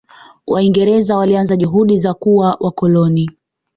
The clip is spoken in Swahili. Waingereza walianza juhudi za kuwa wakoloni